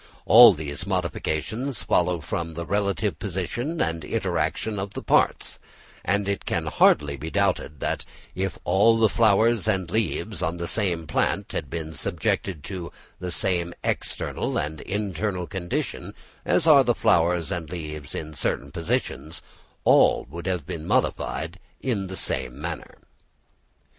All these modifications follow from the relative position and inter action of the parts; and it can hardly be doubted that if all the flowers and leaves on the same plant had been subjected to the same external and internal condition, as are the flowers and leaves in certain positions, all would have been modified in the same manner.